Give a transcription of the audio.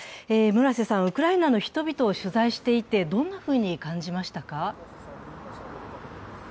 ウクライナの人々を取材していてどんなふうに感じましたか？